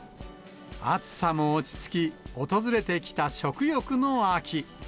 暑さも落ち着き、訪れてきた食欲の秋。